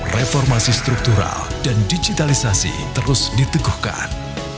reformasi struktural dan digitalisasi terus diteguhkan